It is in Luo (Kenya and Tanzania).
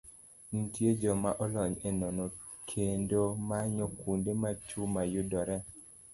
Nitie joma olony e nono kendo manyo kuonde ma chuma yudoree.